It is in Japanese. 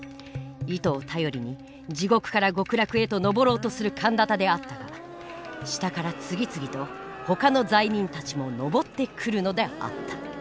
糸を頼りに地獄から極楽へと登ろうとする陀多であったが下から次々とほかの罪人たちも登ってくるのであった。